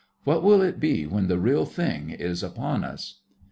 What will it be when the Real Thing is upon us?